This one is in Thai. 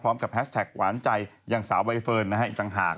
พร้อมกับแฮชแท็กหวานใจอย่างสาวใบเฟิร์นนะฮะจังหาก